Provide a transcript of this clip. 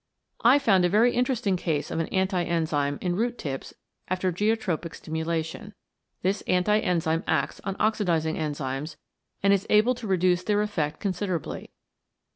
I found a very interesting case of an anti enzyme in root tips after geotropic stimulation. This anti enzyme acts on oxidising enzymes, and is able to reduce their effect considerably.